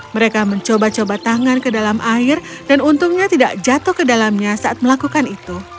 mereka mencoba coba tangan ke dalam air dan untungnya tidak jatuh ke dalamnya saat melakukan itu